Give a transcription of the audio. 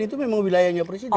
itu memang wilayahnya presiden